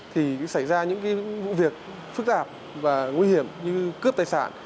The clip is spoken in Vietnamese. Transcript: thì xảy ra những vụ việc phức tạp và nguy hiểm như cướp tài sản